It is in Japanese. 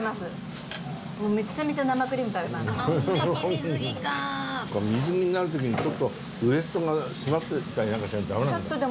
水着になる時にちょっとウエストが締まってたりなんかしないとダメなんだ。